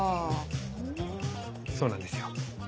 そうなんですよ。